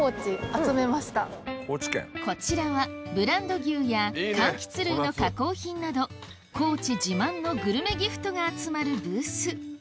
こちらはブランド牛やかんきつ類の加工品など高知自慢のグルメギフトが集まるブース